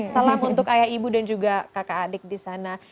salam untuk ayah ibu dan juga kakak adik disana